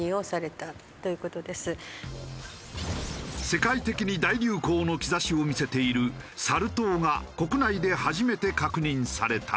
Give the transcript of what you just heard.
世界的に大流行の兆しを見せているサル痘が国内で初めて確認された。